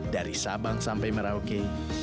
dari sabang sampai merauke